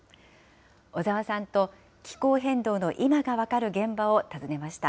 小澤さんと気候変動の今が分かる現場を訪ねました。